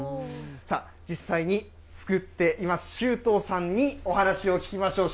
さあ、実際に造っています、周東さんにお話を聞きましょう。